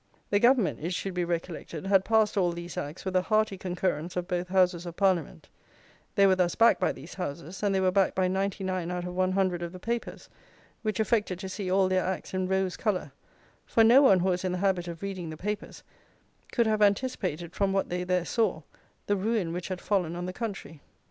The Government, it should be recollected, had passed all these Acts with the hearty concurrence of both Houses of Parliament; they were thus backed by these Houses, and they were backed by ninety nine out of one hundred of the papers, which affected to see all their acts in rose colour, for no one who was in the habit of reading the papers, could have anticipated, from what they there saw, the ruin which had fallen on the country.